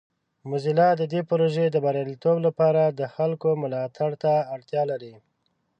موزیلا د دې پروژې د بریالیتوب لپاره د خلکو ملاتړ ته اړتیا لري.